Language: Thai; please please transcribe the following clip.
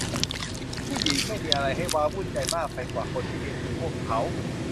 ผู้หญิงไม่มีอะไรให้ว้าวุ่นใจมากไปกว่าคนที่เลี้ยงดูพวกเขา